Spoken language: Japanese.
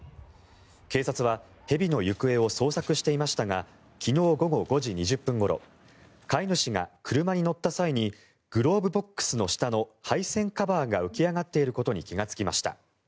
警察は蛇の行方を捜索していましたが昨日午後５時２０分ごろ飼い主が車に乗った際にグローブボックスの下の配線カバーが浮き上がっていることに気がつきました。